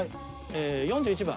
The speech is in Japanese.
４１番。